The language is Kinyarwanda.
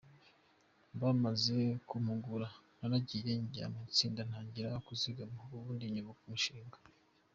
Bamaze kumpugura naragiye njya mu itsinda ntangira kuzigama, ubundi nyoboka umushinga”.